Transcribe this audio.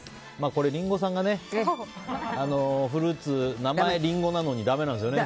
これ、リンゴさんがフルーツ、名前はリンゴなのにだめなんですよね。